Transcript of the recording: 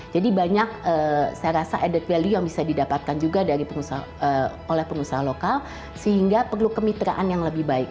jadi banyak added value yang bisa didapatkan juga oleh pengusaha lokal sehingga perlu kemitraan yang lebih baik